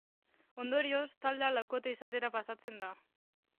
Ondorioz, taldea laukote izatera pasatzen da.